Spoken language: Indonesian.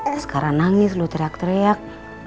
naskara nangis lo teriak teriak